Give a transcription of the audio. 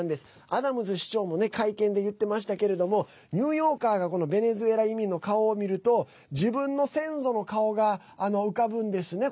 アダムズ市長も会見で言ってましたけれどもニューヨーカーがベネズエラ移民の顔を見ると自分の先祖の顔が浮かぶんですね。